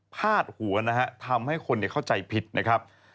พาดหัวนะฮะทำให้คนเข้าใจผิดนะครับ